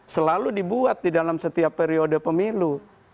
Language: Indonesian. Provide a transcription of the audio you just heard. selalu dibuat di dalam setiap periode pemilu